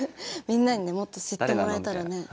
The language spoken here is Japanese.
みんなにねもっと知ってもらえたらね。